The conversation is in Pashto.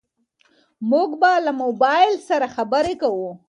موږ به له موبايل سره خبرې کوو.